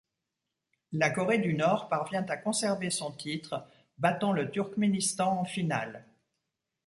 La Corée du Nord parvient à conserver son titre, battant le Turkménistan en finale.